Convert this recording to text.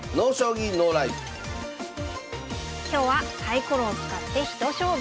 今日はサイコロを使って一勝負。